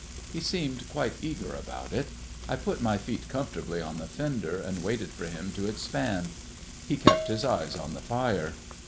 He seemed quite eager about it. I put my feet comfortably on the fender, and waited for him to expand. He kept his eyes on the fire.